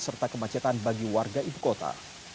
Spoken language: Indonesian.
serta kemacetan bagi warga ibu kota